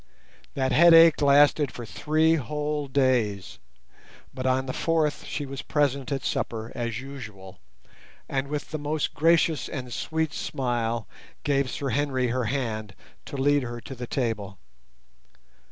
That headache lasted for three whole days; but on the fourth she was present at supper as usual, and with the most gracious and sweet smile gave Sir Henry her hand to lead her to the table.